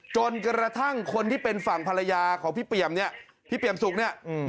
จนกระทั่งคนที่เป็นฝั่งภรรยาของพี่เปี่ยมเนี่ยพี่เปี่ยมสุกเนี่ย